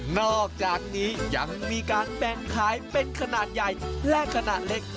นอกจากนี้ยังมีการแบ่งขายเป็นขนาดใหญ่และขนาดเล็ก